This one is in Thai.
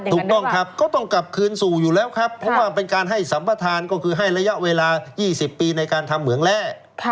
ถูกต้องครับก็ต้องกลับคืนสู่อยู่แล้วครับเพราะว่าเป็นการให้สัมประธานก็คือให้ระยะเวลา๒๐ปีในการทำเหมืองแร่